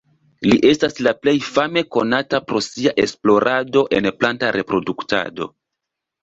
Li estas la plej fame konata pro sia esplorado en planta reproduktado.